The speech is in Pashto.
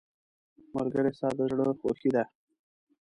ملګری ستا د زړه خوښي ده.